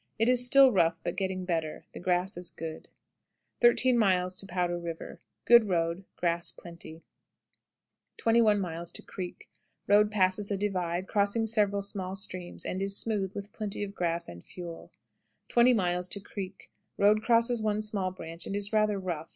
It is still rough, but getting better. The grass is good. 13. Powder River. Good road; grass plenty. 21. Creek. Road passes a divide, crossing several small streams, and is smooth, with plenty of grass and fuel. 20. Creek. Road crosses one small branch, and is rather rough.